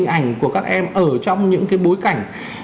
những cái hình ảnh của các em ở trong những cái bối cảnh